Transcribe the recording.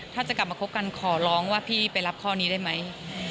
ถ้าจะกลับมาคบกันขอร้องว่าพี่ไปรับข้อนี้ได้ไหม